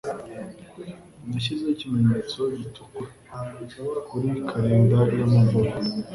Nashyizeho ikimenyetso gitukura kuri kalendari y'amavuko.